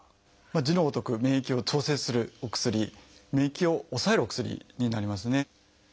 字のごとく免疫を調節するお薬免疫を抑えるお薬になりますね。